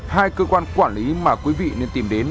hai cơ quan quản lý mà quý vị nên tìm đến